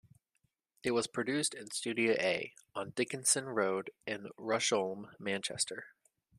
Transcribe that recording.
It was produced in Studio A on Dickenson Road in Rusholme, Manchester.